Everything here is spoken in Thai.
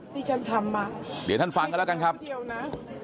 ที่ฉันทำมาเดี๋ยวท่านฟังกันแล้วกันครับเดี๋ยวนะ